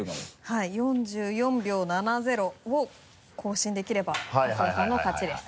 はい４４秒７０を更新できれば春日さんの勝ちです。